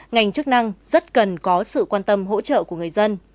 ngành chức năng rất cần có sự quan tâm hỗ trợ của người dân